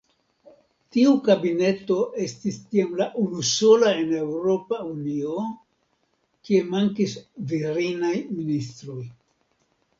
Tiu kabineto estis tiam la unusola en Eŭropa Unio, kie mankis virinaj ministroj.